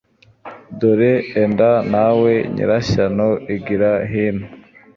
dore enda nawe nyirashyano igira hino